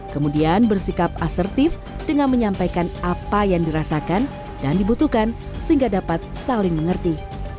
kemudian bersikap asertif dengan menyampaikan apa yang dirasakan dan dibutuhkan sehingga dapat saling mengerti